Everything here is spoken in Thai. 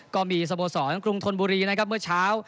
ก็มีสโบสรกรุงทนบุรีเมื่อเช้า